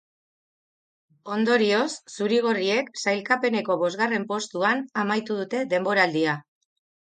Ondorioz, zuri-gorriek sailkapeneko bosgarren postuan amaitu dute denboraldia.